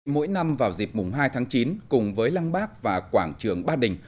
mỗi năm vào dịp mùng hai tháng chín cùng với lăng bác và quảng trường ba đình